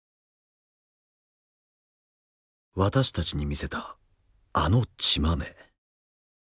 私たちに見せたあの血まめ。